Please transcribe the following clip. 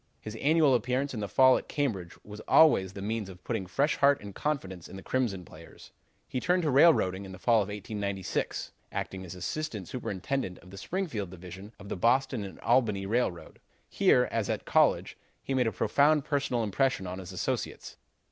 His annual appearance in the fall at Cambridge was always the means of putting fresh heart and confidence in the Crimson players. "He turned to railroading in the fall of 1896, acting as Assistant Superintendent of the Springfield Division of the Boston and Albany Railroad. Here, as at college, he made a profound personal impression on his associates.